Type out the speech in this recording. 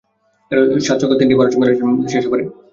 সাত ছক্কার তিনটিই মার্শ মেরেছেন শেষ ওভারে ম্যাট হেনরির টানা তিন বলে।